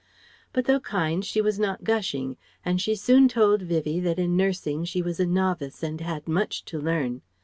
But though kind, she was not gushing and she soon told Vivie that in nursing she was a novice and had much to learn.